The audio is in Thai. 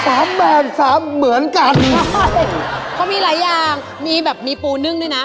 แบนสามเหมือนกันใช่เขามีหลายอย่างมีแบบมีปูนึ่งด้วยนะ